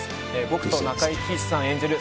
僕と中井貴一さん演じる